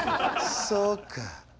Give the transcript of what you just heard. そうか。